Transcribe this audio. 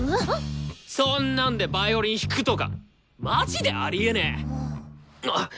そんなんでヴァイオリン弾くとかマジでありえねえ！